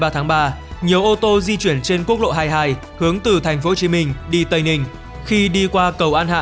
ba tháng ba nhiều ô tô di chuyển trên quốc lộ hai mươi hai hướng từ tp hcm đi tây ninh khi đi qua cầu an hạ